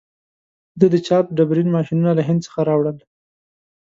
ده د چاپ ډبرین ماشینونه له هند څخه راوړل.